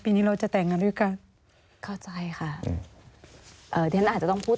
นี้เราจะแต่งงานด้วยกันเข้าใจค่ะเอ่อที่ฉันอาจจะต้องพูด